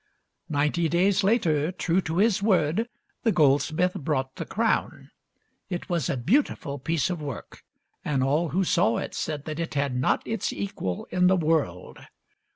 Ninety days later, true to his word, the goldsmith brought the crown. It was a beautiful piece of work, and all who saw it said that it had not its equal in the world.